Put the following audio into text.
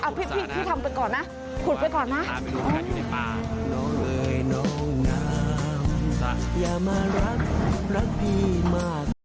พี่ทำไปก่อนนะขุดไปก่อนนะ